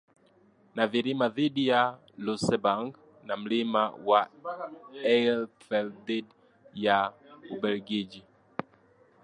Na vilima dhidi ya Luxemburg na milima ya Eifel dhidi ya Ubelgiji